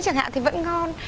chẳng hạn thì vẫn ngon